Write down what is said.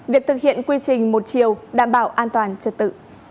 việc thực hiện quy trình một chiều đảm bảo an toàn trật tự